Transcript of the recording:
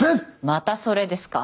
またそれですか？